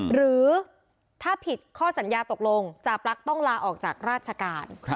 หรือถ้าผิดข้อสัญญาตกลงจาปลั๊กต้องลาออกจากราชการ